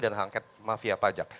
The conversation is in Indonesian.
dan hak angket mafia pajak